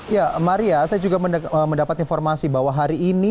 ya maria saya juga mendapat informasi bahwa hari ini